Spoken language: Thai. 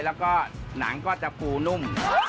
แล้วก็หนังก็จะปูนุ่ม